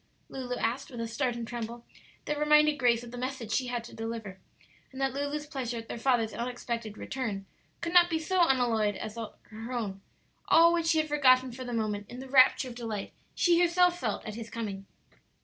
Lulu asked, with a start and tremble that reminded Grace of the message she had to deliver, and that Lulu's pleasure at their father's unexpected return could not be so unalloyed as her own; all which she had forgotten for the moment in the rapture of delight she herself felt at his coming.